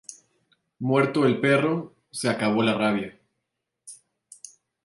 Muerto el perro, se acabó la rabia